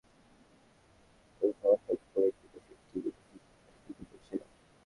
Sahebbazar zero পয়েন্টে একটি overhead বোর্ডের দুপাশে একটি মুঠোফোন কোম্পানির বিজ্ঞাপন ছিল।